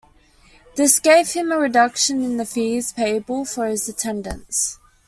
This gave him a reduction in the fees payable for his attendance.